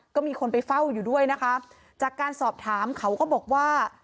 ก็มีคนไปเฝ้าอยู่ด้วยนะคะจากการสอบถามเขาก็บอกว่า